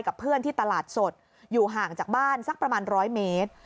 กับเพื่อนที่ตลาดสดอยู่ห่างจากบ้านสักประมาณ๑๐๐เมตร